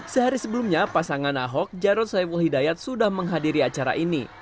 sehari sebelumnya pasangan ahok jarod saiful hidayat sudah menghadiri acara ini